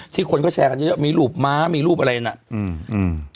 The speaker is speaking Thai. ที่คนก็แชร์กันเยอะมีรูปม้ามีรูปอะไรเนี่ย